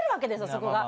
そこが。